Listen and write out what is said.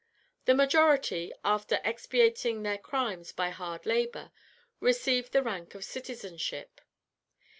"The majority, after expiating their crimes by hard labour, receive the rank of citizenship.